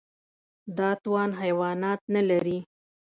دا توان حیوانات نهلري.